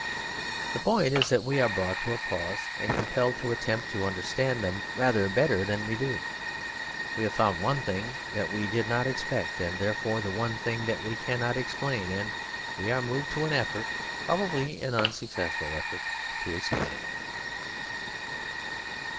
The point is that we are brought to a pause, and compelled to attempt to understand them rather better than we do. We have found the one thing that we did not expect; and therefore the one thing that we cannot explain. And we are moved to an effort, probably an unsuccessful effort, to explain it.